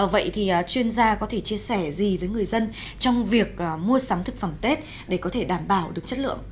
vậy thì chuyên gia có thể chia sẻ gì với người dân trong việc mua sắm thực phẩm tết để có thể đảm bảo được chất lượng